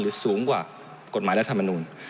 หรือสูงกว่ากฎหมายรัฐบาลนูน